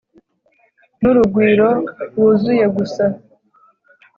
N'urugwiro wuzuye gusa